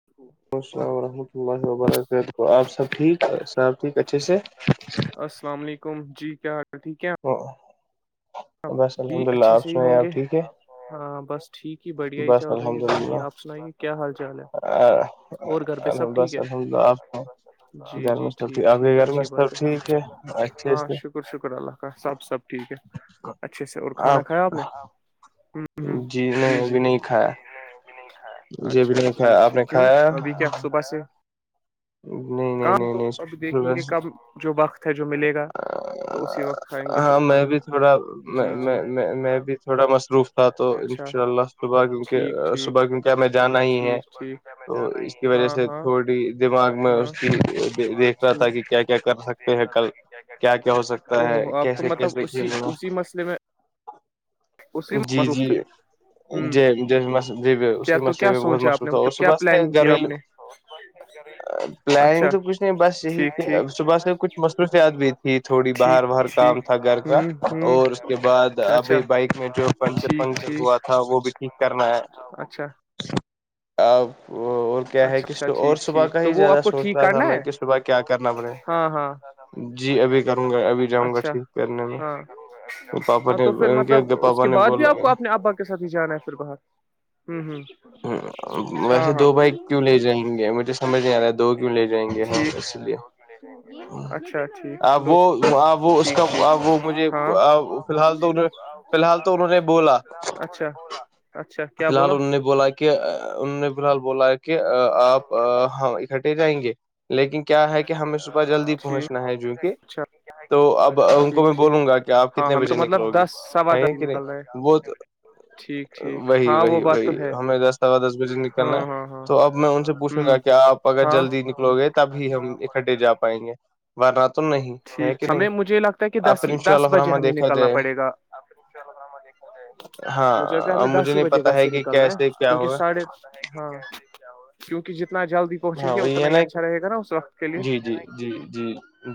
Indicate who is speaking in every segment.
Speaker 1: ج
Speaker 2: وعلیکم السلام ورحمتہ اللہ وبرکاتہ آپ سب ٹھیک ہےحب ٹھیک اچھے سے
Speaker 1: السلام علیکم جی کیا حال ٹھیک ہے
Speaker 2: ا بس
Speaker 1: جی
Speaker 2: الحمد للہ
Speaker 1: اچھے
Speaker 2: آپ
Speaker 1: سے ہی
Speaker 2: سنے
Speaker 1: ہوں گے
Speaker 2: آپ ٹھیک ہے
Speaker 1: ہاں بس ٹھیک ہی بڑھیا ہی
Speaker 2: بس
Speaker 1: چل رہی ہے زندگی آپ سنائیے کیا حال چال ہے اور گھر پہ سب ٹھیک
Speaker 2: الحمدس
Speaker 1: ہے
Speaker 2: الحمدلہ آپ کو
Speaker 1: جی جی ٹھیک ٹھیک اچھی بات ہے
Speaker 2: ٹھیک اچھے
Speaker 1: ہاں
Speaker 2: سے
Speaker 1: شک شکر شکر اللہ کا سب سب ٹھیک ہے اچھے سے اور کھانا کھایا آپ نے ہ ہ
Speaker 2: جی نہیں
Speaker 1: جی
Speaker 2: ابھی نہیں کھایا یہ بھی نہیں کھایا آپ نے کھایا
Speaker 1: بس
Speaker 2: نہیں نہیں
Speaker 1: کام تو
Speaker 2: نہیں
Speaker 1: اب دیکھیں گے
Speaker 2: نہیں
Speaker 1: کب جو وقت ہے جو ملے گا تو اسی وقت کھائیں گے پھر
Speaker 2: ہاں میں
Speaker 1: کھانا
Speaker 2: بھی تھوڑا
Speaker 1: جی جی
Speaker 2: میں بھی تھوڑا مصروف تو ان
Speaker 1: اچھا
Speaker 2: شاء اللہ صبح
Speaker 1: ٹھیک
Speaker 2: کیونہ
Speaker 1: ٹھیک
Speaker 2: صبح کیونک ہمیں جانا ہی ہے
Speaker 1: ٹھیک ٹھیک
Speaker 2: تو اس کی وجہ
Speaker 1: ہاں
Speaker 2: سے
Speaker 1: ہاں
Speaker 2: تھوڑی دماغ میں اس
Speaker 1: ہاں
Speaker 2: کی دیکھ رہا تھا کہ کیا کیا کر سکتے
Speaker 1: ٹھیک
Speaker 2: ہیں کل کیا کیا ہو
Speaker 1: او
Speaker 2: سکتا
Speaker 1: ہوو
Speaker 2: ہے
Speaker 1: ہو اب تو
Speaker 2: کیسے
Speaker 1: مطلب
Speaker 2: کیسے
Speaker 1: اسی
Speaker 2: کھیلنا
Speaker 1: اسی مسئلے میں اسی معروف تھے ہ
Speaker 2: ج جس جی
Speaker 1: کیا
Speaker 2: اسی
Speaker 1: تو
Speaker 2: مسئلے
Speaker 1: کیا
Speaker 2: میں بہت
Speaker 1: سوچا آپ
Speaker 2: مشہور
Speaker 1: نے
Speaker 2: تھا اور
Speaker 1: مطلب کیا
Speaker 2: صبح سے
Speaker 1: پلاننگ کیا
Speaker 2: گریل
Speaker 1: آپ نے
Speaker 2: پلاننگ
Speaker 1: اچھا
Speaker 2: تو کچھ نہیں بس یہی
Speaker 1: ٹھیک ٹھیک
Speaker 2: کہ صبح سے کچھ مس خرصیات بھی تھی تھوڑی باہر
Speaker 1: ٹھیک
Speaker 2: واہر کام
Speaker 1: ٹھیک
Speaker 2: تھا گھر کا
Speaker 1: ہ ہ
Speaker 2: اور اس کے بعد
Speaker 1: اچھا
Speaker 2: ابھی بائک میں جو پنچر
Speaker 1: ٹھیک
Speaker 2: پنچر
Speaker 1: ٹھیک
Speaker 2: ہوا تھا وہ بھی ٹھیک کرنا ہے
Speaker 1: اچھا
Speaker 2: آپ وہ اور کیا ہے
Speaker 1: اچھا
Speaker 2: کہ
Speaker 1: اچھا
Speaker 2: اور
Speaker 1: ٹھیک
Speaker 2: صبح
Speaker 1: ٹھیک
Speaker 2: کا
Speaker 1: تو
Speaker 2: ہی
Speaker 1: وہ آپ
Speaker 2: زیادہ
Speaker 1: کو
Speaker 2: سوچ
Speaker 1: ٹھیک
Speaker 2: رہا تھا
Speaker 1: کرنا
Speaker 2: میں
Speaker 1: ہے
Speaker 2: کہ صبح کیا کرنا بڑے
Speaker 1: ہاں ہاں ہاں
Speaker 2: جی ابھی کروں گا ابھی جاؤں گا ٹھیک کرنے میں
Speaker 1: ہاں
Speaker 2: پاپا
Speaker 1: ہاں
Speaker 2: نے
Speaker 1: تو پھر
Speaker 2: ان کے
Speaker 1: مطلب اس
Speaker 2: پاپا
Speaker 1: کے
Speaker 2: نے
Speaker 1: بعد بھی
Speaker 2: بولا
Speaker 1: آپ کو اپنے ابا کے سات ہی جانا ہے پھر باہر ہوں ہوں ہاں
Speaker 2: ویسے
Speaker 1: ہاں
Speaker 2: دو بائک کیوں لے جیں گے مجھے سمجھ نہیں آ رہا ہے دو کیوںے جائیں گے ہیں
Speaker 1: ٹھیک
Speaker 2: اس لیے
Speaker 1: اچھا ٹھیک
Speaker 2: آپ
Speaker 1: دو سو
Speaker 2: وہ آپ وہ اس
Speaker 1: ٹھیک
Speaker 2: کا
Speaker 1: ٹھیک
Speaker 2: آپ وہ مجھے
Speaker 1: ہاں
Speaker 2: فی الحال تو انہیں فی الحال تو انہوں نے بولا
Speaker 1: اچھا اچھا کیا
Speaker 2: فی الحال
Speaker 1: بولا
Speaker 2: انہوں نے بولا کہ ان نے فی الحال بولا کہ آپ ہاں اکٹے جائیں گے لیکن کیا ہے کہ ہمیں صبح جلدی
Speaker 1: ٹھیک
Speaker 2: پہنچنا ہے جو کہ
Speaker 1: اچھا
Speaker 2: تو اب ان کو
Speaker 1: ٹھیک
Speaker 2: میں
Speaker 1: ٹھیک
Speaker 2: بولوں گا کہ آپ
Speaker 1: ہاں
Speaker 2: کتنے
Speaker 1: ہمیں
Speaker 2: بجے
Speaker 1: تو
Speaker 2: نکلو
Speaker 1: مطلب
Speaker 2: گے
Speaker 1: دس سوا دس
Speaker 2: ہے کہ نہیں
Speaker 1: نکل رہا ہے
Speaker 2: وہ تو
Speaker 1: ٹھیک ٹھیک
Speaker 2: وہی
Speaker 1: ہاں وہ
Speaker 2: وہی
Speaker 1: بات
Speaker 2: وہی
Speaker 1: تو ہے
Speaker 2: ہمیں دس ا دس بجے نکلنا
Speaker 1: ہاں ہاں ہاں
Speaker 2: تو اب میں ان سے پوچھوں گا کہ آپ
Speaker 1: ہ
Speaker 2: اگر
Speaker 1: ہاں
Speaker 2: جلدی نک لوگ ہیں تب ہی ہم اکٹڈھے جا پائیں گے وارناتون نہیں ہے کہ
Speaker 1: ٹھیک
Speaker 2: نہیں
Speaker 1: ہمیں مجھے یہ لگتا ہے کہ
Speaker 2: آپ
Speaker 1: دس
Speaker 2: پھر
Speaker 1: ہی
Speaker 2: ان شاء
Speaker 1: دس
Speaker 2: اللہ
Speaker 1: بجے
Speaker 2: رحمہ
Speaker 1: ہمیں
Speaker 2: دیکھا
Speaker 1: نکلنا
Speaker 2: جائے
Speaker 1: پڑے گا
Speaker 2: ہاں
Speaker 1: مجھے کہ
Speaker 2: اب
Speaker 1: ہمیں
Speaker 2: مجھے
Speaker 1: دس ہی
Speaker 2: نہیں
Speaker 1: بجے
Speaker 2: پتا
Speaker 1: گھر
Speaker 2: ہے
Speaker 1: سے
Speaker 2: کہ
Speaker 1: نکل رہے ہے
Speaker 2: کیسے کیا
Speaker 1: کیونکہ
Speaker 2: ہوگا
Speaker 1: ساڑھے ہاں کیونکہ جتنا جلدی پہنچیں
Speaker 2: ہاں
Speaker 1: گے
Speaker 2: وہی
Speaker 1: اتنا
Speaker 2: ہے
Speaker 1: ہی
Speaker 2: نا ایک
Speaker 1: اچھا رہے گا نا اس وقت کے لیے
Speaker 2: جی جی جی جی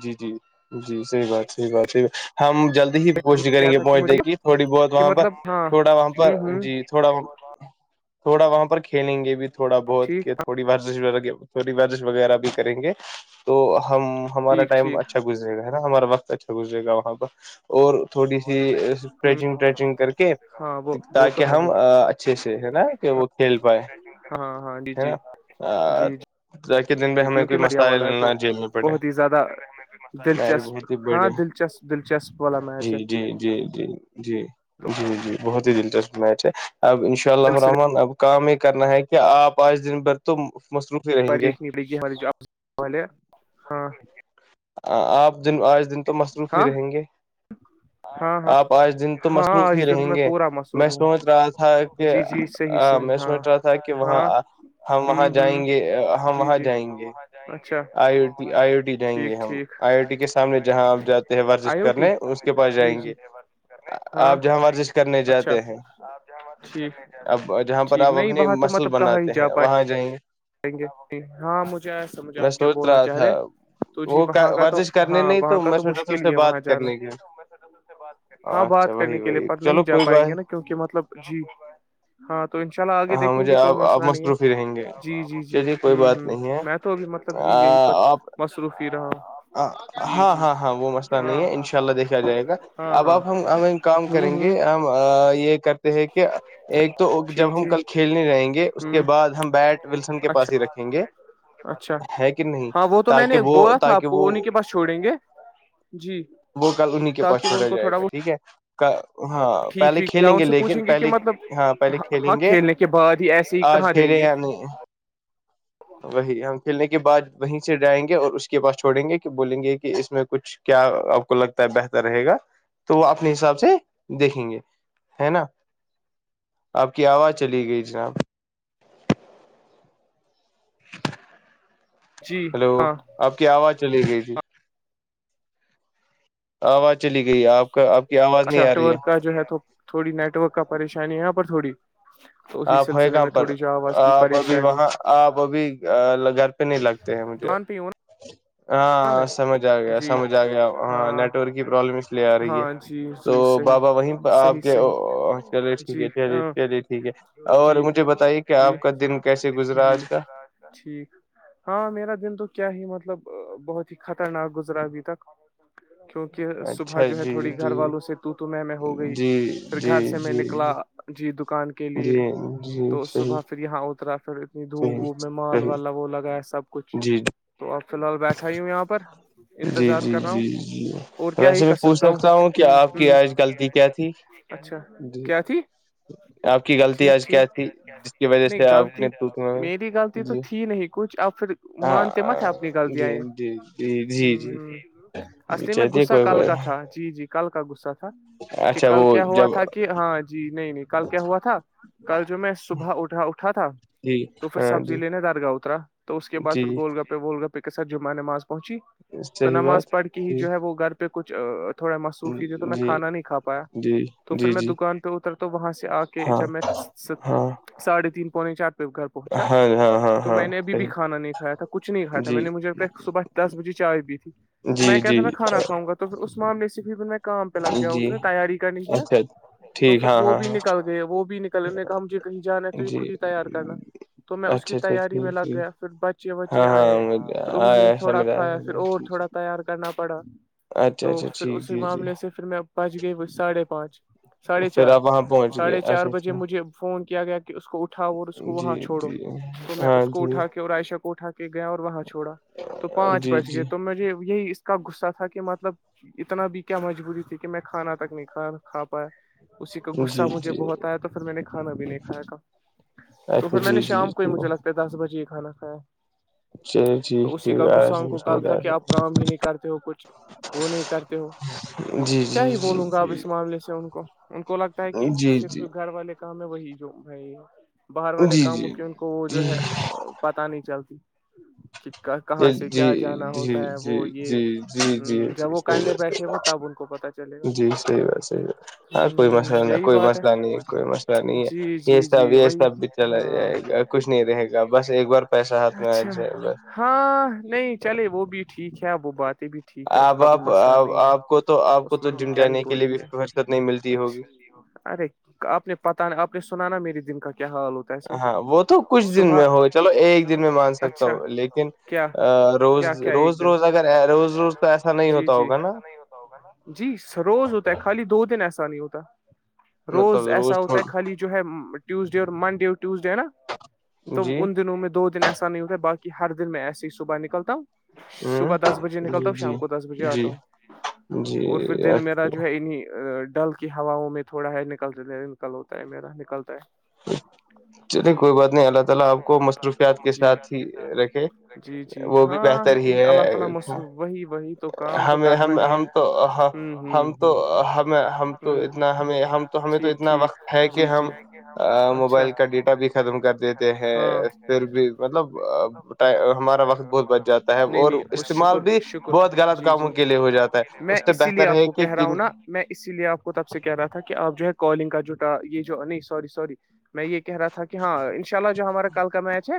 Speaker 2: جی جی جی صحی بات صحی بات صحیح بات ہم جلدی ہی
Speaker 1: تو میں
Speaker 2: کوشش کریں
Speaker 1: کیا
Speaker 2: گے
Speaker 1: تھا کہ مجھے
Speaker 2: پہنچنے کی تھوڑی بہت
Speaker 1: کہ
Speaker 2: وہاں پر
Speaker 1: مطلب ہاں
Speaker 2: تھوڑا وہاں
Speaker 1: ہ
Speaker 2: پر
Speaker 1: ہ
Speaker 2: جی تھوڑا تھوڑا وہاں پر کھیلیں گے بھی تھوڑا بہت
Speaker 1: ٹھیک
Speaker 2: کہ تھوڑی ورزش ور تھی بش وغیرہ بھی کریں گے تو ہم ہمارا
Speaker 1: ٹھیک
Speaker 2: ٹائم
Speaker 1: ٹھیک
Speaker 2: اچھا گزے گا نا ہمارا وقت اچھا گزے گااں پر اور تھوڑی سی
Speaker 1: ہ
Speaker 2: اسٹرچنگ ٹرچنگ کر کے
Speaker 1: ہاں وہ وہ
Speaker 2: تاکہ
Speaker 1: تو ہے
Speaker 2: ہم
Speaker 1: ہی
Speaker 2: اچھے سے ہے نا کہ وہ کھیل پائے
Speaker 1: ہاں ہاں ہاں جی
Speaker 2: ہے
Speaker 1: جی
Speaker 2: نا
Speaker 1: جی جی
Speaker 2: ا کے دن بھی
Speaker 1: جی
Speaker 2: ہمیں
Speaker 1: کیونکہ
Speaker 2: کوئی
Speaker 1: میریا
Speaker 2: مسائل
Speaker 1: والا ہے تو
Speaker 2: نہ جیلنے پڑے
Speaker 1: بہت ہی زیادہ
Speaker 2: لر
Speaker 1: دلچسپ
Speaker 2: بہت ہی
Speaker 1: ہاں
Speaker 2: بڑیا
Speaker 1: دلچسپ دلچسپ والا
Speaker 2: جی
Speaker 1: میچ ہے
Speaker 2: جی جی جی جی جی جی بہت ہی دلچسپ میچ ہے اب ان شاء
Speaker 1: سلسلے
Speaker 2: اللہرحمن اب کام یہ کرنا ہے کہ آپ آج دن بھر تو مصلوف
Speaker 1: باریخ نکلے گیپ ہاں
Speaker 2: آپ دن آج دن تو مصروف ہی
Speaker 1: ہاں
Speaker 2: رہیں گے
Speaker 1: ہاں ہاں
Speaker 2: آپ آج دن تو
Speaker 1: ہاں
Speaker 2: مصروف ہی
Speaker 1: آج دن
Speaker 2: رہیں
Speaker 1: میں
Speaker 2: گے
Speaker 1: پورا مصروف
Speaker 2: میں سوچ رہا تھا
Speaker 1: ہوں
Speaker 2: کہ
Speaker 1: جی جی صحیح صحیح
Speaker 2: میں
Speaker 1: ہاں
Speaker 2: سمجھ رہا تھا کہ وہاں
Speaker 1: ہاں
Speaker 2: ہم وہاں
Speaker 1: ہوں ہوں
Speaker 2: جائیں گے ہم
Speaker 1: جی
Speaker 2: وہاں
Speaker 1: جی
Speaker 2: جائیں گے
Speaker 1: اچھا
Speaker 2: آئی آئی او ٹی جائیں گے
Speaker 1: ٹھیک ٹھیک
Speaker 2: آئی آئی ٹی کے سامنے جہاں آپ جاتے ہیں ورزش
Speaker 1: آئی او ٹی
Speaker 2: کرنے اس کے پاس
Speaker 1: جی
Speaker 2: جائیں
Speaker 1: جی
Speaker 2: گے
Speaker 1: ہاں
Speaker 2: آپ جہاں ورزش کرنے
Speaker 1: اچھا
Speaker 2: جاتے ہیں
Speaker 1: ٹھیک
Speaker 2: اب جہاں پر
Speaker 1: ٹھیک
Speaker 2: آپ
Speaker 1: نہیں
Speaker 2: اپنی
Speaker 1: وہاں تو
Speaker 2: مسل
Speaker 1: مطلب کہاں ہی
Speaker 2: بناتے
Speaker 1: جا
Speaker 2: ہیں وہاں جائیں گے
Speaker 1: پائیں ہاں مجھے ایسمجھے
Speaker 2: میں
Speaker 1: آپ کیا
Speaker 2: سوچ
Speaker 1: بولنا
Speaker 2: رہا
Speaker 1: چاہ رہے
Speaker 2: تھا
Speaker 1: ہیں تو جی
Speaker 2: وہ
Speaker 1: وہاں کا تو
Speaker 2: ورزش کرنے
Speaker 1: ہاں
Speaker 2: نہیں
Speaker 1: وہاں کا
Speaker 2: میں
Speaker 1: تو
Speaker 2: سوچا تھا اس
Speaker 1: مشکل
Speaker 2: سے
Speaker 1: ہی ہے وہاں
Speaker 2: بات
Speaker 1: جانا
Speaker 2: کرنے کے
Speaker 1: ہاں
Speaker 2: اچھا
Speaker 1: بات
Speaker 2: وہی
Speaker 1: کرنے کے لیے
Speaker 2: وہی
Speaker 1: پڑھ
Speaker 2: چلو
Speaker 1: نہیں جا
Speaker 2: کوئی
Speaker 1: پائیں
Speaker 2: بات
Speaker 1: گے نا کیوںکہ مطلب جی ہاں تو ان شاء اللہ آگے
Speaker 2: ہاں
Speaker 1: دیکھیں
Speaker 2: مجھے
Speaker 1: گے کوئی
Speaker 2: آپ آپ
Speaker 1: مسئلہ نہیں ہے
Speaker 2: مصروف ہی رہیں گے
Speaker 1: جی جی جی جی
Speaker 2: چلیے
Speaker 1: ہ
Speaker 2: کوئی بات
Speaker 1: ہ
Speaker 2: نہیں ہے
Speaker 1: میں تو ابھی مطلب جی یہی پر
Speaker 2: آپ
Speaker 1: مصروف ہی رہا ہ
Speaker 2: ہاں ہاں ہاں وہ مسئلہ نہیں ہے ان شاء اللہ دیکھا جائے گا
Speaker 1: ہاں
Speaker 2: اب
Speaker 1: ہاں
Speaker 2: آپ ہم ہمیں کام
Speaker 1: ہوں
Speaker 2: کریں
Speaker 1: ہوں
Speaker 2: گے ہم یہ کر کہ ایک تو جب
Speaker 1: ٹھیک
Speaker 2: ہم کل
Speaker 1: ٹھیک
Speaker 2: کھیلنے رہیں گے اس کے
Speaker 1: ہوں
Speaker 2: بعد ہم بیٹ ولسن کے پاس ہی
Speaker 1: اچھا
Speaker 2: رکھیں گے
Speaker 1: اچھا
Speaker 2: ہے کہ نہیں
Speaker 1: ہاں وہ تو میں نے
Speaker 2: تاکہ وہ
Speaker 1: بولا تھا آپ
Speaker 2: تاکہ
Speaker 1: کو وہ انہیں کے پاس چھوڑیں گے جی
Speaker 2: وہ کل انہیں کے پاس
Speaker 1: تاکہ وہ ان
Speaker 2: چھوڑا
Speaker 1: کو
Speaker 2: جائے
Speaker 1: تھوڑا
Speaker 2: گا
Speaker 1: بہت
Speaker 2: ٹھیک ہے ہاں
Speaker 1: ٹھیک
Speaker 2: پہلے
Speaker 1: ھیک یا
Speaker 2: کھیلیں
Speaker 1: ان سے
Speaker 2: لیکن
Speaker 1: پوچھیں گے کہ
Speaker 2: پہلے
Speaker 1: مطلب
Speaker 2: ہاں پہلے
Speaker 1: ہاں
Speaker 2: کھیلیں گے
Speaker 1: کھیلنے کے کے بعد ہی ایسے ہی
Speaker 2: آج
Speaker 1: کہاں دیں
Speaker 2: کھیلے
Speaker 1: گے
Speaker 2: یا نہیں وہی ہم کھیلنے کے بعد وہیں سے جائیں گے اور اس کے پاس چھوڑیں گے کہ بولیں گے کہ اس میں کچھ کیا آپ کو لگتا ہے بہتر رہے گا تو وہ اپنے حساب سے دیکھیں گے ہے نا آپ کی آواز چلی گئی جناب
Speaker 1: جی
Speaker 2: ہلو
Speaker 1: ہاں
Speaker 2: آپ کی آواز چلی گئی تھی آواز چلی گئی آپ کا آپ کی آواز نہیں آ رہی
Speaker 1: اچاٹورک کا جو ہے تھوڑی نیٹ ورک کا پریشانی یہاں پر تھوڑی تو اسی
Speaker 2: آپ ہے
Speaker 1: سلسلے
Speaker 2: کہاں
Speaker 1: میں
Speaker 2: پر
Speaker 1: تھوڑی ج آواز کی
Speaker 2: آپ ابھی
Speaker 1: پریشانی
Speaker 2: وہاں آپ ابھی گھر پہ نہیں لگتے ہیں مجھے
Speaker 1: دکان پہ ہی ہوں نا میں
Speaker 2: ہاں سمجھ آ گیا
Speaker 1: جی
Speaker 2: سمجھ آ گیا ہاں نیٹ ورک کی پرابلم اس لیے آ رہی ہے
Speaker 1: ہاں جی
Speaker 2: تو
Speaker 1: جی صحیح
Speaker 2: بابا وہیں پہ
Speaker 1: صحیح
Speaker 2: آپ کے
Speaker 1: صحیح
Speaker 2: چلیے ٹھیک
Speaker 1: جی
Speaker 2: ہے چلیے
Speaker 1: ہاں
Speaker 2: چلیے ٹھیک ہے اور
Speaker 1: جی
Speaker 2: مجھے بتائیے کیا
Speaker 1: جی
Speaker 2: آپ کا دن کیسے گزرا
Speaker 1: جی
Speaker 2: آج کا
Speaker 1: ٹھیک ہاں میرا دن تو کیا ہی مطلب بہت ہی خطرناک گزرا بھیھی تھاک کیونکہ صبح
Speaker 2: اچھا
Speaker 1: جو ہے
Speaker 2: جی
Speaker 1: تھوڑی گھر
Speaker 2: جی
Speaker 1: والوں سے تو تو میں میں ہو گئی
Speaker 2: جی
Speaker 1: پھر گھر
Speaker 2: جی
Speaker 1: سے میں
Speaker 2: جی
Speaker 1: نکلا
Speaker 2: جی
Speaker 1: جی دکان کے لیے
Speaker 2: جی جی
Speaker 1: تو
Speaker 2: صحیح
Speaker 1: صبح پھر یہاں اترا پھر نی دھوپ
Speaker 2: صحیح
Speaker 1: ووپ میں مال
Speaker 2: صحیح
Speaker 1: والا وہ لگا ہے سب کچھ
Speaker 2: جی
Speaker 1: تو اب فی الحال بیٹھا ہی ہوں یہاں پر
Speaker 2: جی
Speaker 1: انتظار
Speaker 2: جی
Speaker 1: کر رہا ہوں
Speaker 2: جی جی
Speaker 1: اور کیا ہی
Speaker 2: ویسے میں
Speaker 1: کر
Speaker 2: پوچھ
Speaker 1: سکتا ہوں
Speaker 2: کہ آپ
Speaker 1: ہ
Speaker 2: کی
Speaker 1: ہ
Speaker 2: آج غلطی کیا تھی
Speaker 1: اچھا
Speaker 2: جی
Speaker 1: کیا تھی
Speaker 2: آپ کی غلطی
Speaker 1: ٹھیک
Speaker 2: آج کیا
Speaker 1: ٹھیک
Speaker 2: تھی جس کی وجہ
Speaker 1: نہیں
Speaker 2: سے آپ
Speaker 1: غلطی
Speaker 2: نے تووٹ
Speaker 1: میری
Speaker 2: مگائی
Speaker 1: غلطی تو
Speaker 2: جی
Speaker 1: تھی نہیں کچھ اب پھر مانتے
Speaker 2: ہاں
Speaker 1: مت ہے اپنی
Speaker 2: جی
Speaker 1: غلطیاں یہ
Speaker 2: جی ج جی
Speaker 1: ہ
Speaker 2: جی
Speaker 1: ہ
Speaker 2: یہ
Speaker 1: اصلی میں
Speaker 2: چاہتی ہے
Speaker 1: غصہ
Speaker 2: کوئی
Speaker 1: کل
Speaker 2: بات
Speaker 1: کا تھا جی جی کل کا غصہ تھا کہ
Speaker 2: اچھا
Speaker 1: کل
Speaker 2: وہ
Speaker 1: کیا ہوا
Speaker 2: جب
Speaker 1: تھا کہ ہاں جی نہیں نہیں کل کیا ہوا تھا کل جو میں صبح اٹھا اٹھا تھا
Speaker 2: جی
Speaker 1: تو پھر
Speaker 2: ہاں
Speaker 1: سبزی
Speaker 2: جی
Speaker 1: لینے دارگا اتا تو اس کے بعد
Speaker 2: جی
Speaker 1: پھر گول گ پہ وہ گ کے ساتھ جمعہ نماز پہنچی تو
Speaker 2: صحیح بات
Speaker 1: نماز پڑھ کے ہی
Speaker 2: جی
Speaker 1: جو ہے وہ گھر پہ کچھ تھوڑا مصروفی تھے تو میں
Speaker 2: جی
Speaker 1: کھا نہیں کا پایا
Speaker 2: جی
Speaker 1: تو پھر
Speaker 2: جی
Speaker 1: میں
Speaker 2: جی
Speaker 1: دکان پہ اتر تو وہاں سے آ کے
Speaker 2: ہاں
Speaker 1: جب میں
Speaker 2: ہاں
Speaker 1: ساڑھے تین پونے چاہتا گھر پہنچا
Speaker 2: ہاں ہاں ہاں
Speaker 1: تو
Speaker 2: ہاں
Speaker 1: میں نے ابھی بھی
Speaker 2: صحیح
Speaker 1: کھانا نہیں کا تھا کچھ نہیں کھا تھا
Speaker 2: جی
Speaker 1: میں نے مجھے صبح دس بجے چائے بھی تھی تو میں
Speaker 2: جی
Speaker 1: کہ
Speaker 2: جی
Speaker 1: تھا میں کھانا کاؤں گا تو اسمام ریسیپی بھی میں کام پہ لگ گیا
Speaker 2: جی
Speaker 1: اس نے تیاری کرنی تھی نا
Speaker 2: اچھا
Speaker 1: تو
Speaker 2: ٹھیک
Speaker 1: پھر
Speaker 2: ہاں
Speaker 1: وہ
Speaker 2: ہاں
Speaker 1: بھی
Speaker 2: ہاں
Speaker 1: نکل گئے وہ بھی ن کل نے کا ہمجھے کہیں جانا ہے تو یہ
Speaker 2: جی
Speaker 1: خود ہی تیار کرنا تو میں اس کی
Speaker 2: اچھا اچھا
Speaker 1: تیاری میں
Speaker 2: ٹھیک
Speaker 1: لگ
Speaker 2: ٹھیک
Speaker 1: گیا پھر بچے وچے
Speaker 2: ہاں
Speaker 1: آئے
Speaker 2: ہاں
Speaker 1: پھر انہوں نے
Speaker 2: آیا
Speaker 1: تھوڑا
Speaker 2: سمجھ
Speaker 1: کھایا پھر
Speaker 2: آیا
Speaker 1: اور
Speaker 2: ٹھیک
Speaker 1: تھوڑا تیار کرنا پڑا
Speaker 2: اچھا
Speaker 1: تو
Speaker 2: اچھا
Speaker 1: پھر
Speaker 2: ٹھیک
Speaker 1: اسی
Speaker 2: جی جی
Speaker 1: معاملے سے پھر میں بچ گئی ساڑھے پانچ ساڑھے
Speaker 2: پھر
Speaker 1: چار
Speaker 2: آپ وہاں پہنچ گئے
Speaker 1: ساڑھے چار
Speaker 2: اچھا
Speaker 1: بجے
Speaker 2: اچھا
Speaker 1: مجھے فون کیا گیا کہ اس کو اٹھاؤ اور اس کو
Speaker 2: جی
Speaker 1: وہاں چھوڑ چھوڑو
Speaker 2: جی
Speaker 1: تو میں اس
Speaker 2: ہاں
Speaker 1: کو
Speaker 2: جی
Speaker 1: اٹھا کے اور عائشہ کو اٹھا کے گیا اور وہاں چھوڑا تو پانچ
Speaker 2: جی
Speaker 1: بج گئے
Speaker 2: جی
Speaker 1: تو مجھے یہی کا غصہ تھا کہ مطلب اتنا بھی کیا مجبوری تھی کہ میں کھانا تک نہیں کھا کھا پایا اسی کا غصہ
Speaker 2: جی
Speaker 1: مجھے
Speaker 2: جی
Speaker 1: بہت آیا تو پھر میں نے کھانا بھی نہیں کایا تھا تو
Speaker 2: اچھا
Speaker 1: پھر میں نے
Speaker 2: جی جی
Speaker 1: شام کو ہی
Speaker 2: جی
Speaker 1: مجھے لگتا ہے دس بجے ہی کھانا کھایا
Speaker 2: جچھ
Speaker 1: تو اسی کا گغسان کو کال تھا کہ آپ کام ہی نہیں کرتے ہو کچھ وہ نہیں کرتے ہو
Speaker 2: سمجھ جی
Speaker 1: کیا
Speaker 2: جی
Speaker 1: ہی
Speaker 2: جی
Speaker 1: بولوں گا اپ اس معاملے سے ان کو ان کو لگتا ہے کہ
Speaker 2: جی
Speaker 1: صرف
Speaker 2: جی
Speaker 1: جو گھر والے کام ہے وہی جو ہےائی باہر والے کاموں
Speaker 2: جی
Speaker 1: کے ان کو وہ جو
Speaker 2: جی
Speaker 1: ہے پت نہیں چلتی کہ کہاں
Speaker 2: جی
Speaker 1: سے
Speaker 2: جی
Speaker 1: کیا جانا
Speaker 2: جی
Speaker 1: ہوتا ہے
Speaker 2: جی
Speaker 1: وہ یہ ہ
Speaker 2: جی جی
Speaker 1: جب وہ
Speaker 2: جیحیح
Speaker 1: کرنے
Speaker 2: ہےاتحی
Speaker 1: بیٹھے وہ تب ان کو پتا چلے گا
Speaker 2: جی صحیح بات صحیح بات
Speaker 1: ہ
Speaker 2: ہاں کوئی مسئلہ نہیں
Speaker 1: یہی
Speaker 2: کوئی
Speaker 1: بات
Speaker 2: مسئلہ نہیں ہے کوئی مسئلہ نہیں
Speaker 1: جی
Speaker 2: ہے یہ
Speaker 1: جی
Speaker 2: سب
Speaker 1: جی
Speaker 2: یہ
Speaker 1: وہی
Speaker 2: سب بھی چلا
Speaker 1: ہاں
Speaker 2: جائے گا کچھ نہیں رہے گا بس ایک بار پیسہ ہاتھ میں آ
Speaker 1: اچھا
Speaker 2: جائے بس
Speaker 1: ہاں نہیں چلے وہ بھی ٹھیک ہے وہ باتیں بھی ٹھیک ہے اس
Speaker 2: آپ
Speaker 1: کا بھی
Speaker 2: آپ
Speaker 1: مسئلہ نہیں ہے
Speaker 2: آپ کو تو آپ کو تو جم جانے کے لیے بھی فر
Speaker 1: چ ارے آپ نے پتا آپ نے سنانا میرے دن کا کیا حال ہوتا ہے اس
Speaker 2: ہاں وہ تو کچھ
Speaker 1: وقت
Speaker 2: دن
Speaker 1: صبح
Speaker 2: میں ہو چلو ایک دن میں مان سکتا
Speaker 1: اچھا
Speaker 2: ہوں لیکن لیکن
Speaker 1: کیا
Speaker 2: ا روز
Speaker 1: کیا کیا ایک
Speaker 2: روز
Speaker 1: دن
Speaker 2: روز اگر روز روز تو ایسا نہیں
Speaker 1: جی
Speaker 2: ہوتا
Speaker 1: جی
Speaker 2: ہوگا نا
Speaker 1: جی روز ہوتا ہے خالی دو دن ایسا نہیں ہوتا روز
Speaker 2: مطلب
Speaker 1: ایسا ہوتا ہے
Speaker 2: تھوڑی
Speaker 1: خالی جو ہے ٹیوزڈے اور منڈے اور ٹیوزڈے نا تو
Speaker 2: جی
Speaker 1: ان دنوں میں دو دن ایسا نہیں ہوتا ہے باقی کہ ہر دن میں ایسے ہی صبح نکلتا ہوں
Speaker 2: ہ
Speaker 1: صبح دس بجے نکلتا
Speaker 2: جی
Speaker 1: ہوں
Speaker 2: جی
Speaker 1: شام کو دس بجے آتا
Speaker 2: جی
Speaker 1: ہوں اور پھر
Speaker 2: جی
Speaker 1: دن میرا جو
Speaker 2: اچھا
Speaker 1: ہے انہنی ڈل کہ ہواؤں میں تھوڑا ہے نکل نکل ہوتا ہے میرا نکلتا ہے
Speaker 2: چلیے
Speaker 1: جی
Speaker 2: کوئی بات نہیں اللہ تعالا آپ کو مصروفیات کے ساتھ ہی رکھے
Speaker 1: جی جی
Speaker 2: وہ بھی
Speaker 1: ہاں
Speaker 2: بہتر ہی
Speaker 1: اللہ تعالی
Speaker 2: ہے
Speaker 1: مصروف وہی وہی تو کام تو
Speaker 2: ہم
Speaker 1: کرنا
Speaker 2: ہم
Speaker 1: ہی ہے
Speaker 2: ہم تو
Speaker 1: ہوں ہوں
Speaker 2: ہم تو
Speaker 1: ہوں ہوں
Speaker 2: ہمیں ہم تو اتنا ہمیں ہم تو ہمیں تو اتنا وقت ہے کہ ہم
Speaker 1: کہ
Speaker 2: موبائل کا ڈیٹا بھی ختم کر دیتے ہیں پھر بھی مطلب ہمارا وقت بہت بچ جاتا ہے
Speaker 1: نہیں
Speaker 2: اور
Speaker 1: نہیں اس
Speaker 2: استعمال
Speaker 1: شکر
Speaker 2: بھی
Speaker 1: شکر
Speaker 2: بہت غلط
Speaker 1: جی جی
Speaker 2: کاموں کے لیے ہو جاتا
Speaker 1: میں
Speaker 2: اس سے
Speaker 1: اسی لیے
Speaker 2: بہتر
Speaker 1: آپ
Speaker 2: ہے
Speaker 1: کو
Speaker 2: کہ
Speaker 1: کہہ رہا ہوں
Speaker 2: کن
Speaker 1: نا میں اسی لیے آپ کو تب سے کہہ رہا تھا کہ آپ جو ہے کالنگ کا جٹا یہ جو نہیں سوری سوری میں یہ کہہ رہا تھا کہ ہاں ان شاء اللہ جو ہمارا کل کا میچ ہے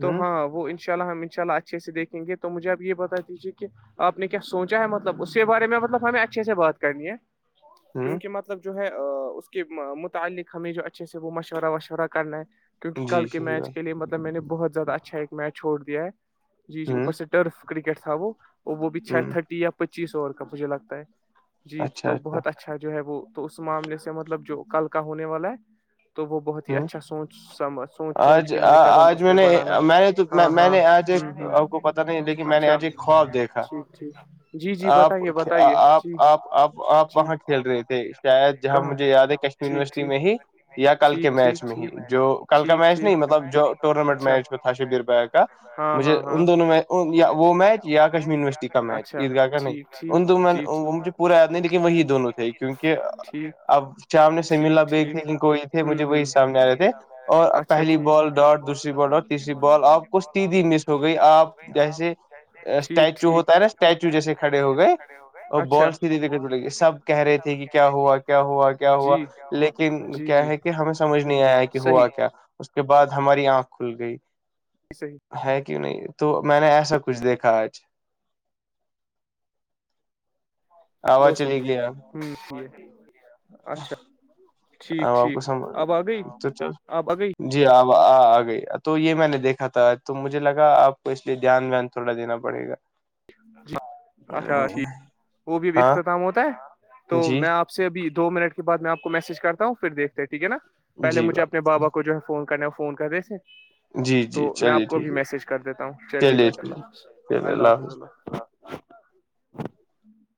Speaker 1: تو
Speaker 2: ہ
Speaker 1: ہاں وہ ان شاء اللہ ہم ان شاء اللہ اچھے سے دیکھیں گے تو مجھے آپ یہ بتا دیجیے کہ آپ نے کیا سوچا ہے مطلب اس کے بارے میں مطلب ہمیں اچھے سے بات کرنی ہے
Speaker 2: ہ
Speaker 1: کیونکہ مطلب مطلب جو ہے اس کے متعلق ہمیں جو اچھے سے وہ مشورہ وشورہ کرنا ہے کیونکہ
Speaker 2: جی
Speaker 1: کل کے
Speaker 2: صحیح
Speaker 1: میچ
Speaker 2: بات
Speaker 1: کے لیے مطلب میں نے بہت زیادہ اچھا ایک میچ چھوڑ دیا ہے جی جی اوپر
Speaker 2: ہ
Speaker 1: سے ٹرف کرکٹ تھا وہ وہ بھی چھ
Speaker 2: ہ
Speaker 1: تھرٹی یا پچیس اوور کا مجھے لگتا ہے جی تو بہت اچھا جو ہے وہ تو اس معاملے سے مطلب جو کل کا ہونے والا ہے تو وہ بہت ہی
Speaker 2: ہ
Speaker 1: اچھا سوچ سم سوچ سوچ
Speaker 2: آج
Speaker 1: کے ہمیں
Speaker 2: آ-
Speaker 1: قدم
Speaker 2: آج میں نے
Speaker 1: بڑا لا
Speaker 2: میں نے تو میں
Speaker 1: ہاں
Speaker 2: میں
Speaker 1: ہاں
Speaker 2: نے آج
Speaker 1: ہ
Speaker 2: ایک
Speaker 1: ہ
Speaker 2: آپ کو پتا نہیں لیکن میں نے
Speaker 1: اچھا
Speaker 2: آج ایک خواب دیکھا
Speaker 1: ٹھیک ٹھیک جی جی
Speaker 2: آپ
Speaker 1: بتائیے بتائیے
Speaker 2: آپ
Speaker 1: جی
Speaker 2: آپ آپ آپ
Speaker 1: جی
Speaker 2: وہاں کھیل رہے تھے شاید جہاں
Speaker 1: کہاں
Speaker 2: مجھے یاد ہے کش
Speaker 1: ٹھیک
Speaker 2: یونیورسٹی
Speaker 1: ٹھیک
Speaker 2: میں ہی یا کل کے
Speaker 1: ٹھیک ٹھیک
Speaker 2: میچ میں ہی
Speaker 1: ٹھیک
Speaker 2: جو کل کا
Speaker 1: ٹھیک
Speaker 2: میچ
Speaker 1: ٹھیک
Speaker 2: نہیں مطلب جو ٹورنامنٹ
Speaker 1: اچھا
Speaker 2: میچ میں تھا شبیر ب کا
Speaker 1: ہاں
Speaker 2: مجھے
Speaker 1: ہاں ہاں
Speaker 2: ان دونوں وہ میچ یا کشمیر یونیورسٹی کا میچ
Speaker 1: اچھا
Speaker 2: عیدگاہ کا نہیں
Speaker 1: ٹھیک ٹھیک
Speaker 2: ان
Speaker 1: جی
Speaker 2: وہ
Speaker 1: ٹھیک
Speaker 2: مجھے پورا یاد نہیں لیکن وہی دونوں تھے کیونکہ
Speaker 1: ٹھیک
Speaker 2: اب چامنے
Speaker 1: ٹھیک
Speaker 2: سمیلا بیگ
Speaker 1: ٹھیک
Speaker 2: تھے لن کو وہی تھے مجھے
Speaker 1: ہوں
Speaker 2: وہی
Speaker 1: ہوں
Speaker 2: سامنے آ رہے تھے اور
Speaker 1: اچھا
Speaker 2: پہلی بال ڈاٹ دوسری بال اور تیسری بال آپ کو سیدھی مس ہو گئی آپ جیسے
Speaker 1: ٹھیک ٹھیک
Speaker 2: اسٹیچو
Speaker 1: ٹھیک
Speaker 2: ہوتا ہے نا اسٹیچو جیسے کھڑے ہو گئے اور
Speaker 1: اچھا
Speaker 2: بالس بھی دےڑے گئے سب کہہ رہے تھے کہ کیا ہوا کیا ہوا کیا ہوا
Speaker 1: جی
Speaker 2: لیکن
Speaker 1: جی
Speaker 2: کیا
Speaker 1: جی
Speaker 2: ہے کہ ہم سمجھ نہیں آیا کہ ہوا
Speaker 1: صحیح
Speaker 2: کیا اس کے بعد ہماری آنکھ کھل گئی
Speaker 1: ج صحیح
Speaker 2: ہے کیوں نہیں تو میں نے ایسا کچھ دیکھا آج آواز چلی گیا
Speaker 1: ہو
Speaker 2: ا آپ کو
Speaker 1: ٹھیک
Speaker 2: سم
Speaker 1: اب آ گئی
Speaker 2: تو چل
Speaker 1: اب آ گئی
Speaker 2: جی اب آ گئی تو یہ میں نے دیکھا تھا تو مجھے لگا آپ کو اس لیے دھیان وان تھوڑا دینا پڑے گا
Speaker 1: جی اچھا جٹھیک وہ بھی
Speaker 2: ہاں
Speaker 1: اختتام ہوتا ہے تو
Speaker 2: جی
Speaker 1: میں آپ سے ابھی دو منٹ کے بعد میں آپ کو میسج کرتا ہوں پھر دیکھتے ٹھیک ہے نا پہل
Speaker 2: جی
Speaker 1: مجھے اپنے
Speaker 2: بات
Speaker 1: بابا کو کو جو ہے فون کرنے فون کرتے تھے
Speaker 2: جی جی
Speaker 1: تو میں
Speaker 2: چلیے
Speaker 1: آپ کو بھی
Speaker 2: ٹھیک ہے
Speaker 1: میسج کر دیتا ہوں چلیے بیٹر اللہاظ اللہ حافظ اللہ